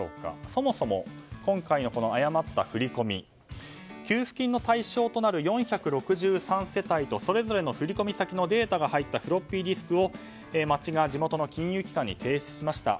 そもそも今回の誤った振り込み給付金の対象となる４６３世帯とそれぞれの振り込み先のデータが入ったフロッピーディスクを町が地元の金融機関に提出しました。